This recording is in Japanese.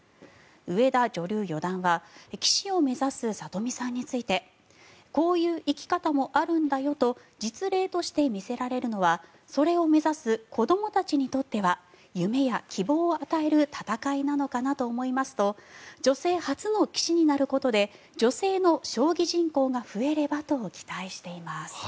上田女流四段は棋士を目指す里見さんについてこういう生き方もあるんだよと実例として見せられるのはそれを目指す子どもたちにとっては夢や希望を与える戦いなのかなと思いますと女性初の棋士になることで女性の将棋人口が増えればと期待しています。